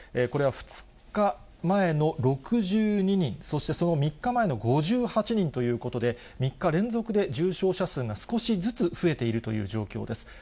これは２日前の６２人、そしてその３日前の５８人ということで、３日連続で重症者数が少しずつ増えているという状況です。